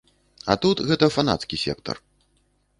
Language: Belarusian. А тут гэта фанацкі сектар.